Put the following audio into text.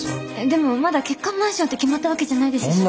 でもまだ欠陥マンションって決まったわけじゃないですし。